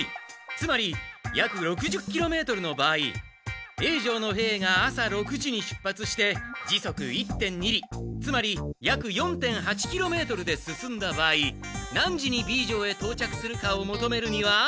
つまり約６０ｋｍの場合Ａ城の兵が朝６時に出発して時速１．２里つまり約４．８ｋｍで進んだ場合何時にＢ城へとう着するかをもとめるには。